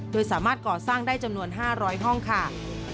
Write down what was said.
โดยสามารถก่อสร้างได้จำนวน๕๐๐ห้องค่ะ